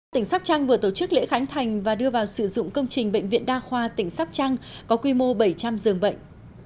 tỉnh sóc trăng vừa tổ chức lễ khánh thành và đưa vào sử dụng công trình bệnh viện đa khoa tỉnh sóc trăng có quy mô bảy trăm linh giường bệnh